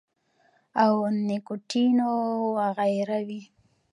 او نيکوټین وغېره وي -